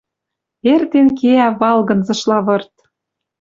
Эртен кеӓ валгынзышла вырт.